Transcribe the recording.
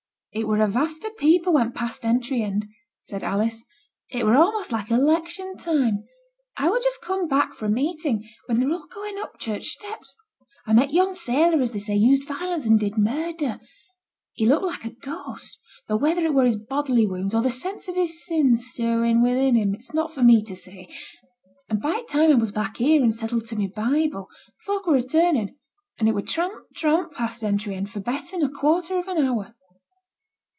'It were a vast o' people went past th' entry end,' said Alice. 'It were a'most like election time; I were just come back fra' meeting when they were all going up th' church steps. I met yon sailor as, they say, used violence and did murder; he looked like a ghost, though whether it were his bodily wounds, or the sense of his sins stirring within him, it's not for me to say. And by t' time I was back here and settled to my Bible, t' folk were returning, and it were tramp, tramp, past th' entry end for better nor a quarter of an hour.'